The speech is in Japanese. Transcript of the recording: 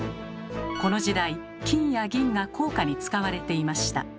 この時代金や銀が硬貨に使われていました。